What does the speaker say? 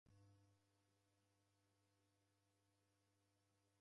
Nasirilwa ni isuw'irio.